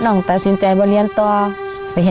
ลองกันถามอีกหลายเด้อ